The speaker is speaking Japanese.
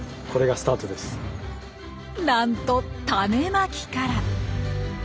なんとタネまきから。